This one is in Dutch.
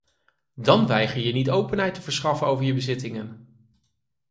Dan weiger je niet openheid te verschaffen over je bezittingen.